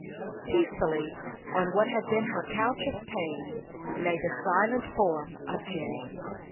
Peacefully, on what had been her couch of pain, lay the silent form of Jenny.